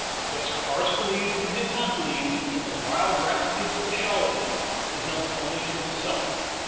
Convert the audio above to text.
What Sir Horace believed, or did not believe, in the wild rhapsodies of the charlatan, is known only to himself.